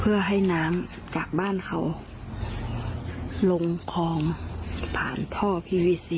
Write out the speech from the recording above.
แล้วก็ให้น้ำจากบ้านเขาลงคลอมผ่านที่สุดท้าย